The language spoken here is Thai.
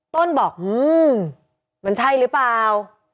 ต้นบอกมันใช่หรือเปล่า